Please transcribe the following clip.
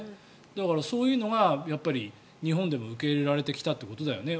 だからそういうのが日本でも受け入れられてきたってことだよね。